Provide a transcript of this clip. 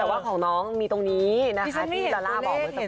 แต่ว่าของน้องมีตรงนี้นะครับที่ลาร่าบอกว่าเป็ไหนแหละ๒